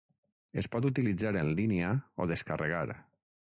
Es pot utilitzar en línia o descarregar.